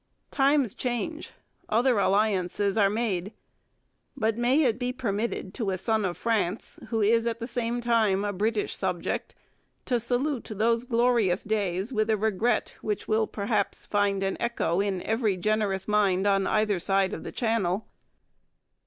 Times change; other alliances are made, but may it be permitted to a son of France who is at the same time a British subject, to salute those glorious days with a regret which will perhaps find an echo in every generous mind on either side the Channel.'